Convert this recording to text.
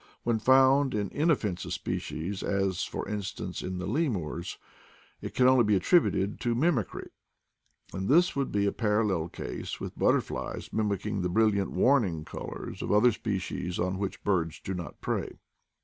When found in inoffensive species, as, for in stance, in the lemurs, it can only be attributed to mimicry, and this would be a parallel case with ,& 184 IDLE DAYS IN PATAGONIA! butterflies mimicking the brilliant "warning col ors" of other species on which birds do not prey.